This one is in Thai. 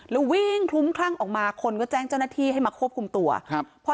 แล้ววิ่งคลุ้มคลั่งออกมาคนก็แจ้งเจ้าหน้าที่ให้มาควบคุมตัวครับพอ